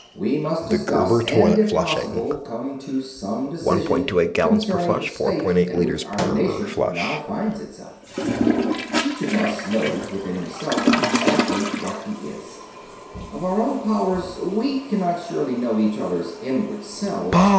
We must discuss, and if possible come to some decision concerning, the state in which our nation now finds itself. "Each of us knows within himself exactly what he is. Of our own powers, we cannot surely know each others' inward selves.